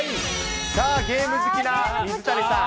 さあ、ゲーム好きな水谷さん。